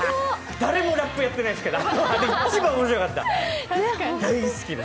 誰もラップやってないですけど、大好きです。